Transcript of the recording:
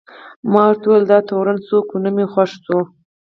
ما ورته وویل: دا تورن څوک و؟ نه مې خوښ شو.